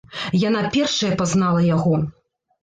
Яна першая пазнала яго.